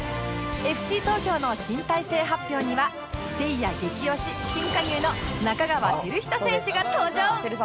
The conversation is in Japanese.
ＦＣ 東京の新体制発表にはせいや激推し新加入の仲川輝人選手が登場